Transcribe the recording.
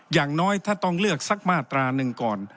อย่างน้อยถ้าต้องเลือกสักมาตราหนึ่งก่อน